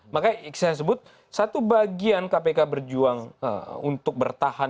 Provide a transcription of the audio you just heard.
makanya saya sebut satu bagian kpk berjuang untuk bertahan